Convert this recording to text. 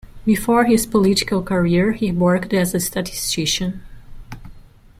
Before his political career he worked as a statistician.